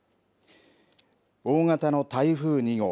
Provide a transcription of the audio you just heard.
大型の台風２号。